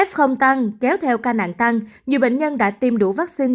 f không tăng kéo theo ca nạn tăng nhiều bệnh nhân đã tiêm đủ vaccine